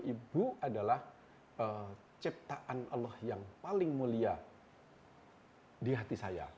ibu adalah ciptaan allah yang paling mulia di hati saya